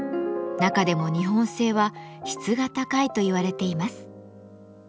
中でも日本製は質が高いといわれています。